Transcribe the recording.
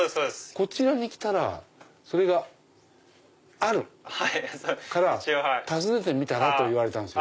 こちらに来たらそれがあるから訪ねてみたらと言われたんです。